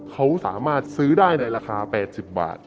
เขาสามารถซื้อได้ในราคา๘๐บาท